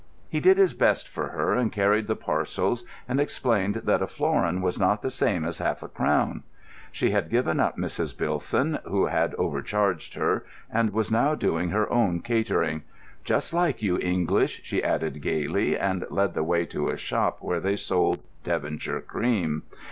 He did his best for her and carried the parcels, and explained that a florin was not the same as half a crown. She had given up Mrs. Bilson, who had overcharged her, and was now doing her own catering. "Just like you English," she added gaily, and led the way to a shop where they sold Devonshire cream.